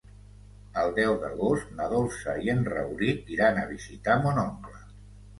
El deu d'agost na Dolça i en Rauric iran a visitar mon oncle.